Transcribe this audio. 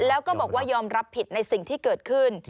แล้วก็บอกว่ายอมรับผิดในสิ่งที่เกิดขึ้น